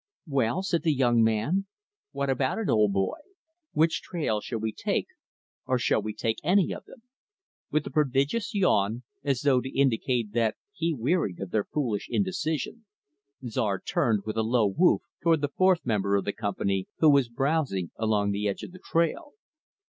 "Well," said the young man, "what about it, old boy? Which trail shall we take? Or shall we take any of them?" With a prodigious yawn, as though to indicate that he wearied of their foolish indecision, Czar turned, with a low "woof," toward the fourth member of the company, who was browsing along the edge of the trail.